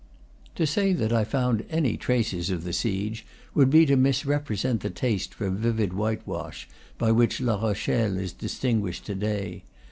To say that I found any traces of the siege would be to misrepresent the taste for vivid whitewash by which La Rochelle is distinguished to day.